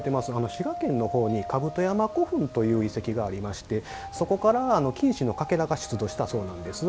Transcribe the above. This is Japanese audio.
滋賀県のほうに甲山古墳という遺跡がありましてそこから金糸のかけらが出土したそうなんです。